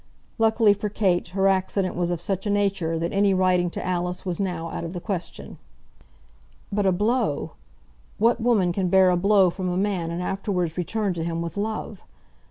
Luckily for Kate, her accident was of such a nature that any writing to Alice was now out of the question. But a blow! What woman can bear a blow from a man, and afterwards return to him with love?